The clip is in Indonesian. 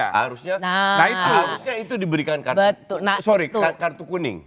nah harusnya itu diberikan kartu sorry kartu kuning